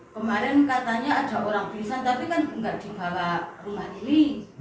kemarin katanya ada orang pingsan tapi kan tidak di bawah rumah ini